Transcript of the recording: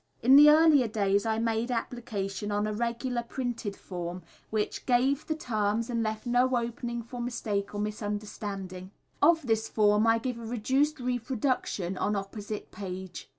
In the earlier days I made application on a regular printed form, which gave the terms and left no opening for mistake or misunderstanding. Of this form I give a reduced reproduction on opposite page.